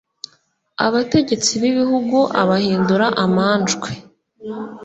Abategetsi b’igihugu abahindura amanjwe,